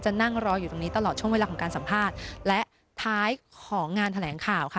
นั่งรออยู่ตรงนี้ตลอดช่วงเวลาของการสัมภาษณ์และท้ายของงานแถลงข่าวค่ะ